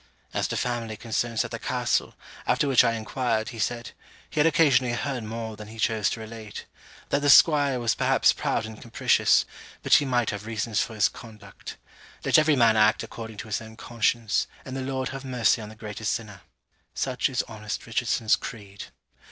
As to family concerns at the castle, after which I enquired, he said, 'he had occasionally heard more than he chose to relate. That the 'squire was perhaps proud and capricious, but he might have reasons for his conduct. Let every man act according to his own conscience, and the Lord have mercy on the greatest sinner.' Such is honest Richardson's creed.